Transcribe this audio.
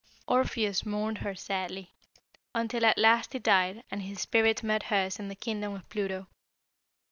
"Orpheus mourned her sadly, until at last he died and his spirit met hers in the kingdom of Pluto.